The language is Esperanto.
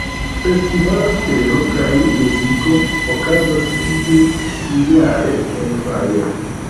Festivalo "Stelo kaj Muziko" okazas tie ĉiujare en majo.